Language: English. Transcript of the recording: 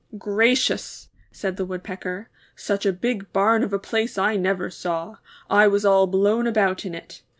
^'Gracious!" said the Woodpecker, ''such a big barn of a place I never saw. I was all blown about in it.